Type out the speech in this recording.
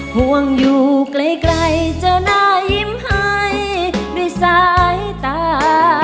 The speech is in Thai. ห่วงอยู่ไกลจะได้ยิ้มให้ด้วยสายตา